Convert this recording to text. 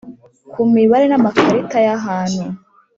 ku mibare n amakarita y ahantu